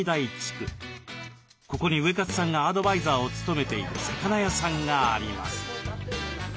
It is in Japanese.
ここにウエカツさんがアドバイザーを務めている魚屋さんがあります。